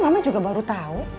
mama juga baru tahu